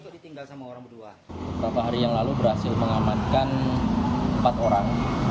terima kasih beberapa hari yang lalu berhasil mengamankan empat orang